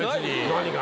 何が？